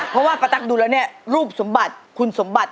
เพราะว่าป้าตั๊กดูแล้วเนี่ยรูปสมบัติคุณสมบัติ